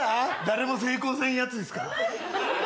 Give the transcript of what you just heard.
誰も成功せんやつですか？